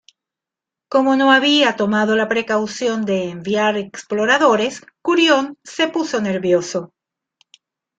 Como no había tomado la precaución de enviar exploradores Curión se puso nervioso.